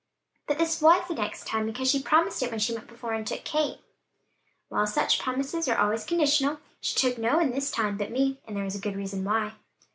"But this was the next time, because she promised it when she went before and took Kate." "Well, such promises are always conditional; she took no one this time (but me), and there was a good reason why."